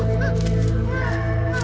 ini liat tuh say